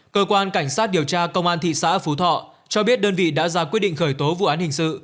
cơ quan cảnh sát điều tra công an thị xã phú thọ cho biết đơn vị đã ra quyết định khởi tố vụ án hình sự